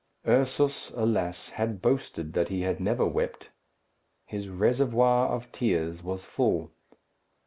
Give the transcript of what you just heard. Ursus, alas! had boasted that he had never wept. His reservoir of tears was full.